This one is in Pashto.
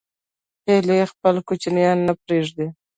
هیلۍ خپل کوچنیان نه پرېږدي